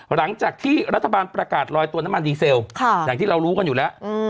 หลังจากที่รัฐบาลประกาศลอยตัวน้ำมันดีเซลอย่างที่เรารู้กันอยู่แล้ว